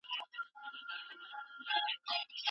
تاسو خپله پوهه د نورو په ګټه وکاروئ.